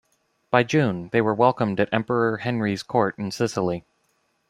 By June, they were welcomed at Emperor Henry's court in Sicily.